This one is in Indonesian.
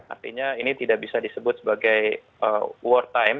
artinya ini tidak bisa disebut sebagai wartime